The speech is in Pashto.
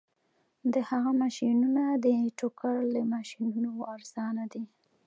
د هغه ماشینونه د ټوکر له ماشینونو ارزانه دي